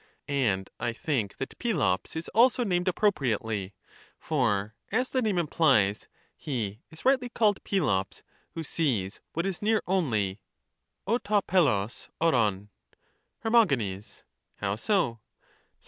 And I peiops. think that Peiops is also named appropriately ; for, as the name implies, he is rightly called Peiops who sees what is near only (6 to, neXag bpCbv). Her. How so?